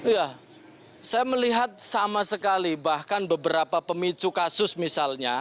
ya saya melihat sama sekali bahkan beberapa pemicu kasus misalnya